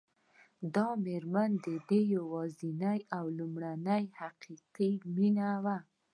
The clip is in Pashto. دا مېرمن د ده یوازېنۍ او لومړنۍ حقیقي مینه وه